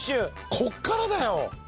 こっからだよ。